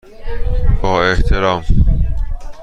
با احترام،